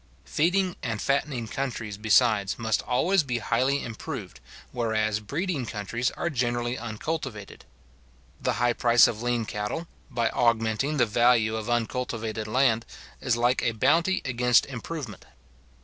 Feeding and fattening countries, besides, must always be highly improved, whereas breeding countries are generally uncultivated. The high price of lean cattle, by augmenting the value of uncultivated land, is like a bounty against improvement.